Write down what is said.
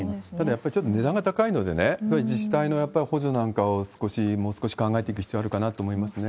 やっぱりちょっと値段が高いのでね、自治体のやっぱり補助なんかを少し、もう少し考えていく必要あるかなと思いますね。